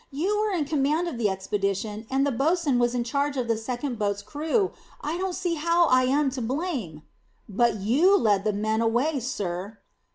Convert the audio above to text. "You were in command of the expedition, and the bosun was in charge of the second boat's crew. I don't see how I am to blame." "But you led the men away, sir."